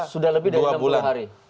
sudah lebih dari enam puluh hari